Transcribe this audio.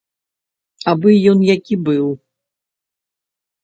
Абы ён які быў.